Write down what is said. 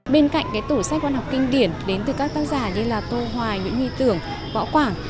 bên cạnh tủ sách văn học kinh điển đến từ các tác giả như là tô hoài nguyễn huy tưởng võ quảng